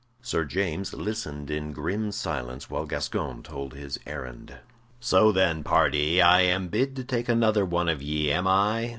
Sir James listened in grim silence while Gascoyne told his errand. "So, then, pardee, I am bid to take another one of ye, am I?"